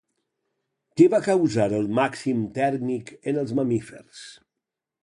Què va causar el màxim tèrmic en els mamífers?